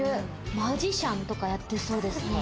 マジシャンとかやってそうですね。